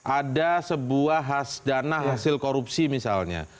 ada sebuah khas dana hasil korupsi misalnya